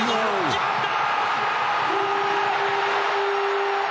決まった。